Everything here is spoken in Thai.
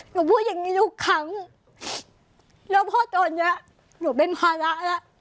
หนูพูดอย่างนี้ทุกครั้งแล้วพ่อตอนเนี้ยหนูเป็นภาระแล้ว